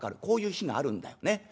こういう日があるんだよね。